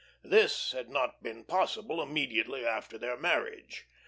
This had not been possible immediately after their marriage.